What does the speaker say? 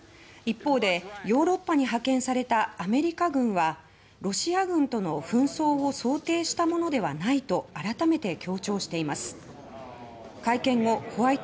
一方でヨーロッパに派遣されたアメリカ軍はロシア軍との紛争を想定したものではないと改めて強調しています。